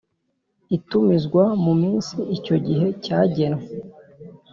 itumizwa mu minsi icyo gihe cyagenwe.